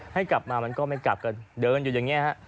ให้กลับมามันก็ไม่กลับกันเดินอยู่อย่างนี้ฮะ